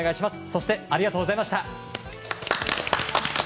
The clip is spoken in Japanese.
そしてありがとうございました。